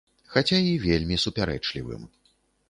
Хаця і вельмі супярэчлівым.